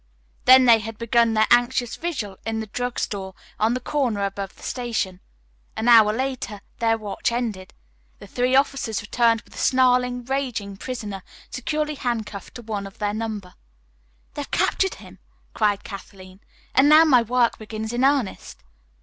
Then they had begun their anxious vigil in the drug store on the corner above the station. An hour later their watch ended. The three officers returned with a snarling, raging prisoner securely handcuffed to one of their number. "They've captured him!" cried Kathleen, "and now my work begins in earnest."